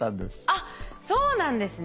あっそうなんですね。